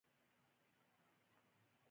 بزګران باید د ډیرو درملو کارولو څخه ډډه وکړی